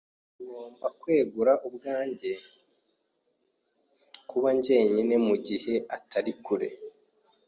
Ngomba kwegura ubwanjye kuba njyenyine mugihe utari kure.